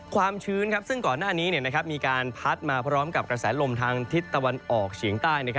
ความชื้นซึ่งก่อนหน้านี้มีการพัดมาพร้อมกับกระแสลมทางทิศตะวันออกเฉียงใต้